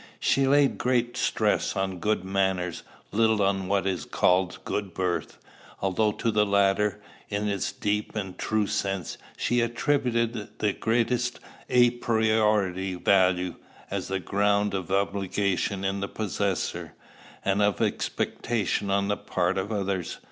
She laid great stress on good manners, little on what is called good birth; although to the latter, in its deep and true sense, she attributed the greatest à priori value, as the ground of obligation in the possessor, and of expectation on the part of others.